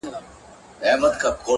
ښايستو کي خيالوري پيدا کيږي،